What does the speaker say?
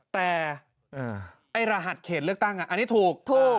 แต่ไอ้รหัสเขตเลือกตั้งอันนี้ถูก